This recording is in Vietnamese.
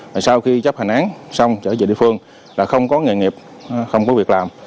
rồi sau khi chấp hành án xong trở về địa phương là không có nghề nghiệp không có việc làm